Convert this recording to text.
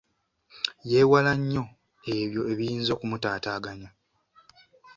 Yeewala nnyo ebyo ebiyinza okumutaataaganya.